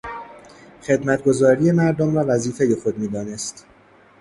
خدمتگزاری مردم را وظیفهی خود میدانست.